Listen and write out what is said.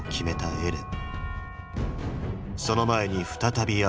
エレン！